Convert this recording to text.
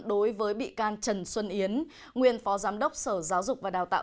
đối với bị can trần xuân yến nguyên phó giám đốc sở giáo dục và đào tạo